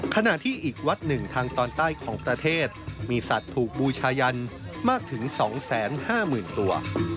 ขณะที่อีกวัดหนึ่งทางตอนใต้ของประเทศมีสัตว์ถูกบูชายันมากถึง๒๕๐๐๐ตัว